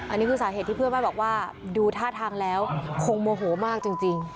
อันนี้คือสาเหตุที่เพื่อนบ้านบอกว่าดูท่าทางแล้วคงโมโหมากจริง